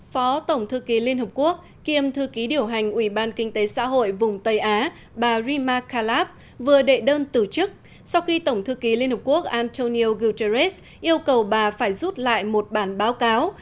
phó tổng thư ký liên hợp quốc kiêm thư ký điều hành ủy ban kinh tế xã hội vùng tây á bà rima kalab vừa đệ đơn tử chức sau khi tổng thư ký liên hợp quốc antonio guterres yêu cầu bà phải rút lại một bản báo cáo